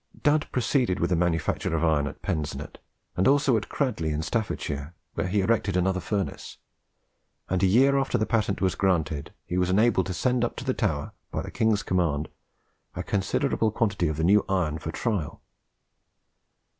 Dud proceeded with the manufacture of iron at Pensnet, and also at Cradley in Staffordshire, where he erected another furnace; and a year after the patent was granted he was enabled to send up to the Tower, by the King's command, a considerable quantity of the new iron for trial.